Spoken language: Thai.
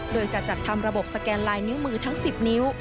โดยจะจัดทำระบบสแกนลายนิ้วมือทั้ง๑๐นิ้ว